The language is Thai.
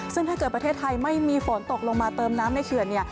ซึ่งถ้าเกิดประเทศไทยไม่มีฝนตกลงมาเติมน้ำในเขื่อน